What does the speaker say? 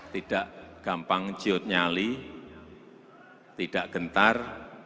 tidak gampang ciut nyali tidak gentar